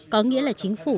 có nghĩa là chính phủ